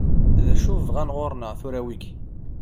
D acu i bɣan ɣur-neɣ tura wigi?